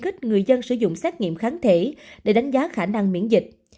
kích người dân sử dụng xét nghiệm kháng thể để đánh giá khả năng miễn dịch